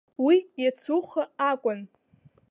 Уи иацуха акәын.